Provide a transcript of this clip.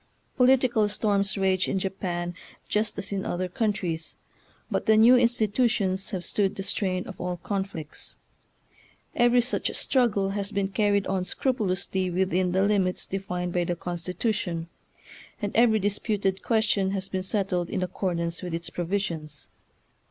Political storms rage in Japan just as in other countries, but the new institutions have stood the strain of all conflicts. Every such struggle has been carried on scrupulously within the limits defined by the Constitution, and every disputed question has been settled in accordance with its provisions.